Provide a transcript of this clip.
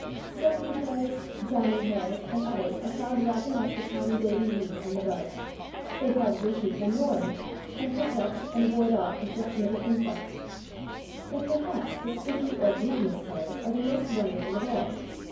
Silky hairs, downy hairs, and others are found wrapping up the tiny baby leaves in the bud: they probably keep them warm, and perplex and ward off objectionable insects. But, perhaps, the sticky or glutinous hairs are the most wonderful of all.